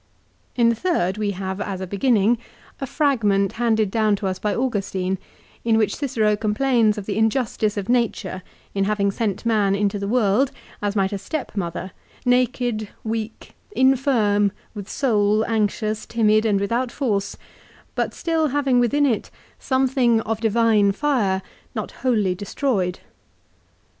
In the third we have, as a beginning, a fragment handed down to us by Augustine, in which Cicero complains of the injustice of nature in having sent man into the world, as might a stepmother, naked, weak, infirm, with soul anxious, timid, and without force, but still having within it something of divine fire, not wholly destroyed.